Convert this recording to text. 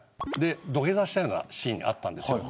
土下座したようなシーンがあったんです。